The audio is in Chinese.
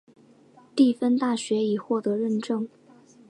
蒂芬大学已获得认证。